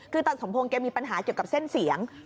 คือตาสมพงศ์แกมีปัญหาเกี่ยวกับเส้นเสียง